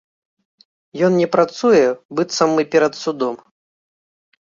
Ён не працуе, быццам мы перад судом.